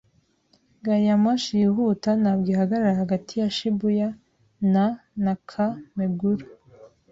Gari ya moshi yihuta ntabwo ihagarara hagati ya Shibuya na Naka-Meguro.